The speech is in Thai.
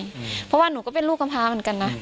เพราะว่าหนูก็เป็นลูกกำพาเหมือนกันนะ